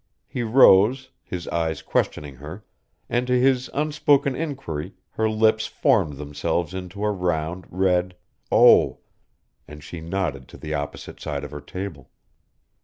He rose, his eyes questioning her, and to his unspoken inquiry her lips formed themselves into a round, red O, and she nodded to the opposite side of her table.